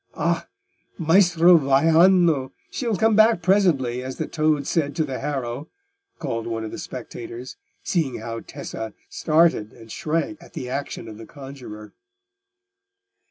"Ah! Maestro Vaiano, she'll come back presently, as the toad said to the harrow," called out one of the spectators, seeing how Tessa started and shrank at the action of the conjuror.